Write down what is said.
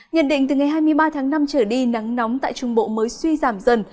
nhận định từ ngày hai mươi ba tháng năm trở đi nắng nóng tại trung bộ mới suy giảm dần